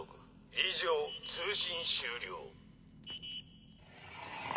以上通信終了。